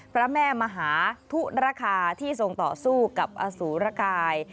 พระแม่มหาธุระคาที่ทรงต่อสู้กับอสูรกาย